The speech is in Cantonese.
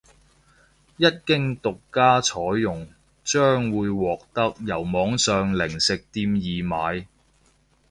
一經獨家採用將會獲得由網上零食店易買